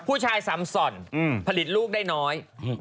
ผู้ชายสำส่อนผลิตลูกได้น้อย